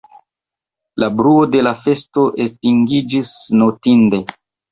La bruo de la festo estingiĝis notinde.